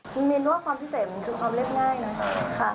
คุณมินว่าความพิเศษมันคือความเรียบง่ายนะคะ